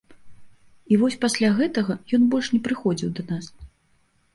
І вось пасля гэтага ён больш не прыходзіў да нас.